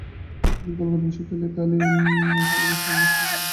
তিনি কলকাতা বিশ্ববিদ্যালয়ে পালি ভাষায় এম. এ. শুরু করেন।